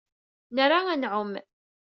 Nra ad nɛum.